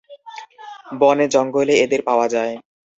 বনে-জঙ্গলে এদের পাওয়া যায়।